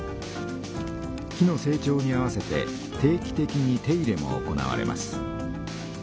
木の成長に合わせて定期的に手入れも行われます。